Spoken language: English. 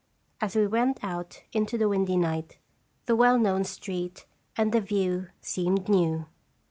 As we went out into the windy night, the well known street and view seemed new.